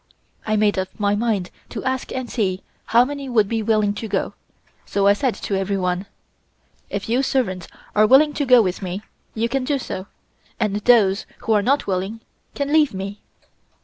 I made up my mind to ask and see how many would be willing to go, so I said to everyone: 'If you servants are willing to go with me, you can do so, and those who are not willing, can leave me.'